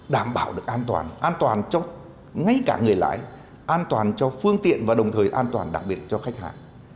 đảm bảo được an toàn an toàn cho ngay cả người lái an toàn cho phương tiện và đồng thời an toàn đặc biệt cho khách hàng